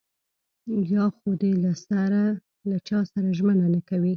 يا خو دې له سره له چاسره ژمنه نه کوي.